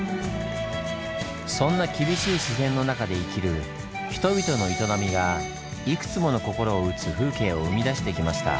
そんな厳しい自然の中で生きる人々の営みがいくつもの心を打つ風景を生み出してきました。